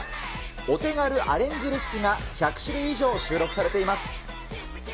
お手軽アレンジレシピが１００種類以上収録されています。